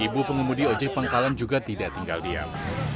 ibu pengemudi ojek pangkalan juga tidak tinggal diam